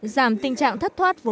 giảm tình trạng thất thoát vốn